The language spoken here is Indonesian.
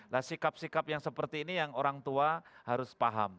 nah sikap sikap yang seperti ini yang orang tua harus paham